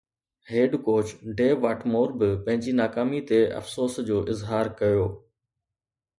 head coach Dav Whatmore به پنهنجي ناڪامي تي افسوس جو اظهار ڪيو